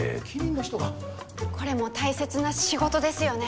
これも大切な仕事ですよね。